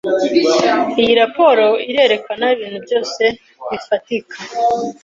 Iyi raporo irerekana ibintu byose bifatika.